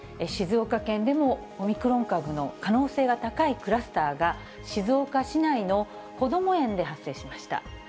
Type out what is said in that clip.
静岡県でもオミクロン株の可能性が高いクラスターが、静岡市内のこども園で発生しました。